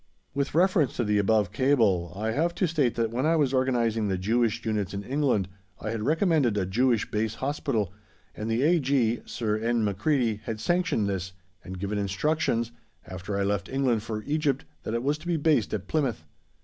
With reference to the above cable I have to state that when I was organising the Jewish Units in England, I had recommended a Jewish Base Hospital, and the A.G., Sir N. Macready, had sanctioned this, and given instructions, after I left England for Egypt, that it was to be based at Plymouth.